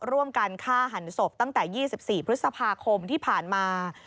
ร่วมกันฆ่าหันศพตั้งแต่๒๔พฤษภาคมที่ผ่านมา